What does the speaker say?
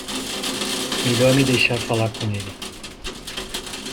Melhor me deixar falar com ele.